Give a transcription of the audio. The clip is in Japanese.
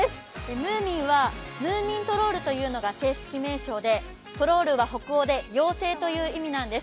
ムーミンはムーミントロールというのが正式名称でトロールは北欧で妖精という意味なんです。